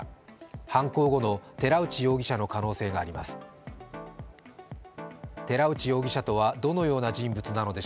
犯行後の寺内容疑者の可能性があります。